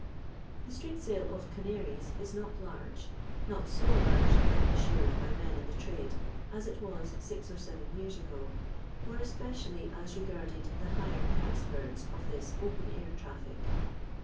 The street sale of Canariet is not large; not so large, I am assured by men in the trade, as it was six or seven years ago, more especially as re garded the higher priced birds of this open air traffic.